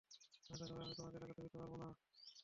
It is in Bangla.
আনুষ্ঠানিকভাবে, আমি তোমাকে এটা করতে দিতে পারব না।